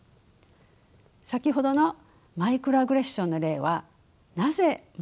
先ほどのマイクロアグレッションの例はなぜ問題なのでしょうか。